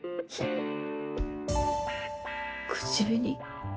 口紅？